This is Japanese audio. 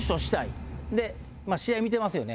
試合見てますよね。